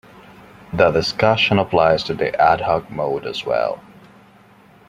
The discussion applies to the ad hoc mode as well.